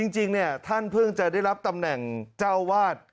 จริงท่านเพิ่งจะได้รับตำแหน่งเจ้าวาด